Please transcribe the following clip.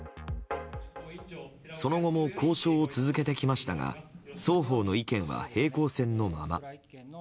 その後も交渉を続けてきましたが双方の意見は平行線のまま。